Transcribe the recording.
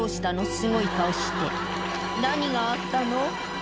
すごい顔して何があったの？